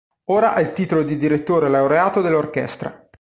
Ora ha il titolo di direttore laureato dell'orchestra.